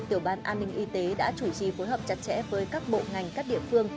tiểu ban an ninh y tế đã chủ trì phối hợp chặt chẽ với các bộ ngành các địa phương